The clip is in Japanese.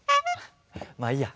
まあいいや。